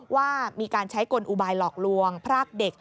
ว่ามีการใช้กลอุบายหลอกลวงพรากเด็ก